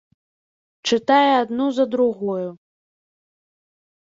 Чытае адну за другою.